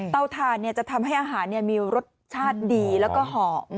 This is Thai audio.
เตาถ่านเนี่ยจะทำให้อาหารมีรสชาติดีแล้วก็เหาะ